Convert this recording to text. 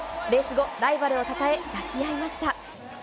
レース後ライバルをたたえ抱き合いました。